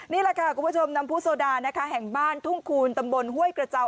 นี่แหละค่ะคุณผู้ชมน้ำผู้โซดานะคะแห่งบ้านทุ่งคูณตำบลห้วยกระเจ้า